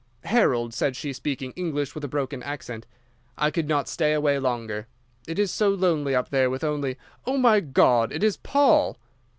"'Harold,' said she, speaking English with a broken accent. 'I could not stay away longer. It is so lonely up there with only—Oh, my God, it is Paul!